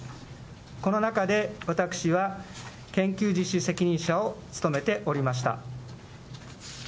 この中で私は研究実施責任者を務めておりました。